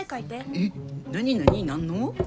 えっ何何何の？